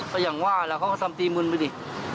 ก็อย่างว่าแล้วก็สั้นตีมืนไปดิ